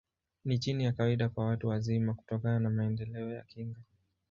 Ni chini ya kawaida kwa watu wazima, kutokana na maendeleo ya kinga.